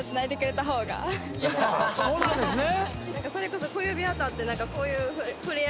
そうなんですね。